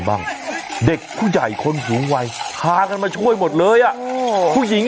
บ้างเด็กผู้ใหญ่คนสูงวัยพากันมาช่วยหมดเลยอ่ะผู้หญิง